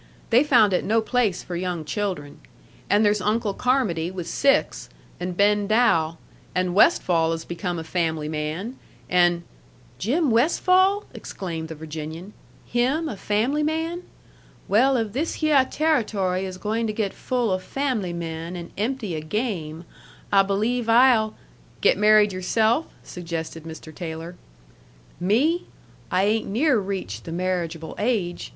"They found it no place for young children. And there's Uncle Carmody with six, and Ben Dow. And Westfall has become a family man, and " "Jim Westfall!" exclaimed the Virginian. "Him a fam'ly man! Well, if this hyeh Territory is goin' to get full o' fam'ly men and empty o' game, I believe I'll " "Get married yourself," suggested Mr. Taylor. "Me! I ain't near reached the marriageable age.